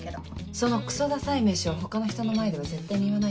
そのクソダサい名称他の人の前では絶対に言わないでね。